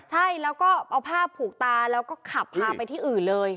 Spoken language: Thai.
ใช่แล้วก็เอาผ้าผูกตาแล้วก็ขับพาไปที่อื่นเลย